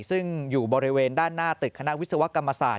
ซึ่งอยู่บริเวณด้านหน้าตึกคณะวิศวกรรมศาสต